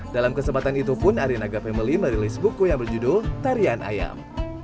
dalam kesempatan itu pun arinaga family merilis buku yang berjudul tarian ayam